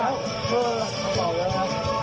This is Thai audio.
เออต้องบอกจริงนะครับ